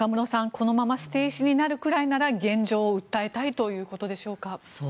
このまま捨て石になるくらいなら現状を訴えたいということでしょうか。